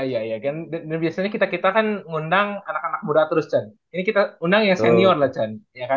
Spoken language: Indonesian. iya ya biasanya kita kan ngundang anak anak muda terus can ini kita undang yang senior lah chan